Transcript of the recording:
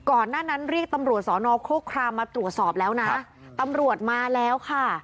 ก่อนหน้านั้นเรียกตำรวจสอนอโครครามมาตรวจสอบแล้วนะตำรวจมาแล้วค่ะ